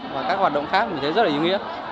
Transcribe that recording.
và các hoạt động khác mình thấy rất là ý nghĩa